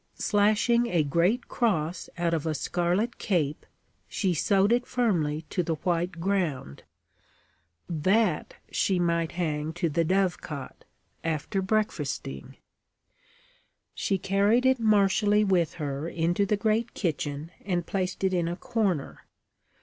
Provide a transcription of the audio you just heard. Slashing a great cross out of a scarlet cape, she sewed it firmly to the white ground. That she might hang to the dove cot, after breakfasting. She carried it martially with her into the great kitchen, and placed it in a corner.